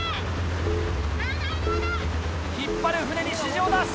引っ張る船に指示を出す。